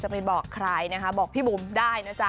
ไปบอกใครนะคะบอกพี่บุ๋มได้นะจ๊ะ